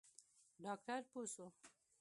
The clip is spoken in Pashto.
ډاکتر پوه سو.